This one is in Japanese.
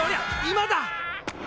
今だ！